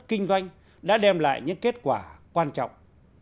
kinh doanh đã đem lại những kết quả quan trọng